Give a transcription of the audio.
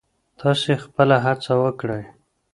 تاسې خپله هڅه وکړئ.